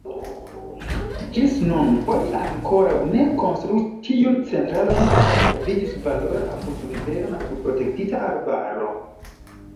Ĝis nun oni ankoraŭ ne konstruis tiun centralon, kaj saviĝis valora apudrivera naturprotektita arbaro.